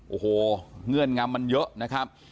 โอ้โหเงื่อนงำมันเยอะนะครับ